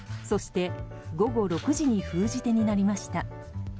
そして、午後６時に封じ手になりました。